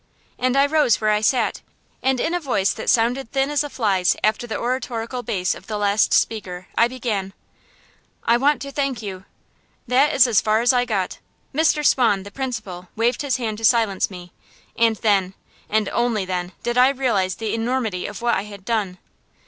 And I rose where I sat, and in a voice that sounded thin as a fly's after the oratorical bass of the last speaker, I began: "I want to thank you " That is as far as I got. Mr. Swan, the principal, waved his hand to silence me; and then, and only then, did I realize the enormity of what I had done.